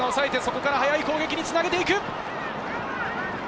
ここから速い攻撃につなげていく。